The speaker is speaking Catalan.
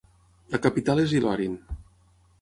La capital és Ilorin.